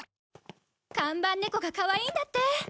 看板猫がかわいいんだって。